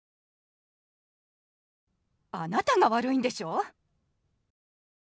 あなたが悪いんでしょ。